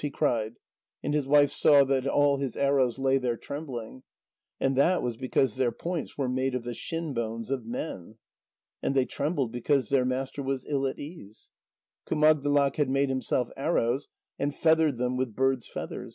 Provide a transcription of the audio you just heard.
he cried. And his wife saw that all his arrows lay there trembling. And that was because their points were made of the shinbones of men. And they trembled because their master was ill at ease. Kumagdlak had made himself arrows, and feathered them with birds' feathers.